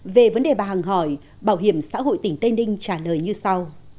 về vấn đề bà hằng hỏi bảo hiểm xã hội tỉnh tây ninh trả lời như sau